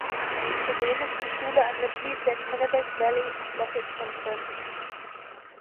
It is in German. Zudem ist die Schule ein Mitglied der Kennebec Valley Athletic Conference.